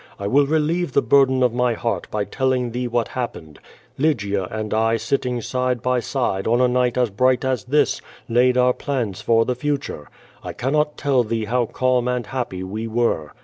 I will re lieve the burden of my heart by telling thee what happened. Lygia and I sitting side by sidp on a night as bright as this, laid our plans for the future. I cannot tell thee how calm and happy we were.